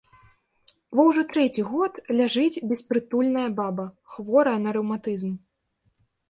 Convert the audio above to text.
Во ўжо трэці год ляжыць беспрытульная баба, хворая на рэўматызм.